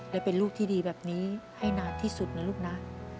และเป็นลูกที่ดีแบบนี้ให้นานที่สุดนะลูกนะ